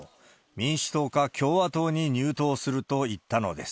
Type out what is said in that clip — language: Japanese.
民主党か共和党に入党すると言ったのです。